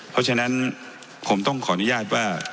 เพราะฉะนั้นผมต้องขออนุญาตว่า